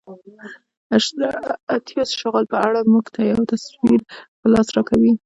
اتیوس شغل په اړه موږ ته یو تصویر په لاس راکوي.